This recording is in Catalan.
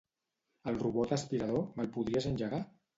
El robot aspirador, me'l podries engegar?